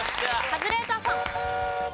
カズレーザーさん。